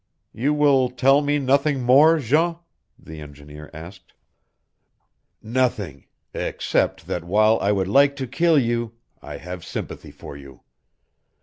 "You will tell me nothing more, Jean?" the engineer asked. "Nothing except that while I would like to kill you I have sympathy for you.